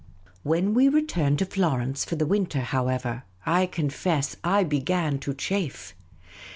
When we returned to Florence for the winter, however, I confess I began to chafe.